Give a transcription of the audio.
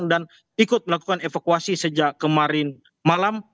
ikut melakukan evakuasi sejak kemarin malam